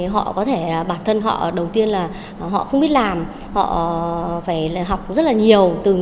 họ có thể bản thân họ đầu tiên là họ không biết làm họ phải học rất là nhiều